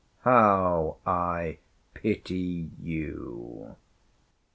How I pity you!